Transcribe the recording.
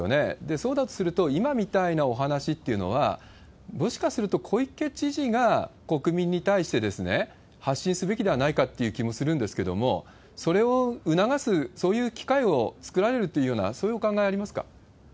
そうだとすると、今みたいなお話っていうのは、もしかすると小池知事が国民に対して発信すべきではないかっていう気もするんですけれども、それを促す、そういう機会を作られるというような、そういうお考えはありますか？